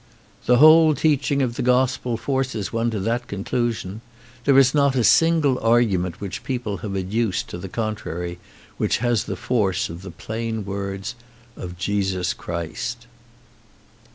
"The whole teaching of the gospel forces one to that conclusion. There is not a single argu ment which people have adduced to the contrary which has the force of the plain words of Jesus Christ."